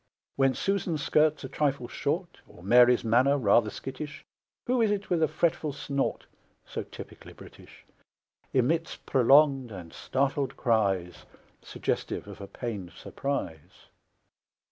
When Susan's skirt's a trifle short, Or Mary's manner rather skittish, Who is it, with a fretful snort (So typically British), Emits prolonged and startled cries, Suggestive of a pained surprise?